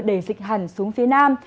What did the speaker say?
để dịch hẳn xuống phía nam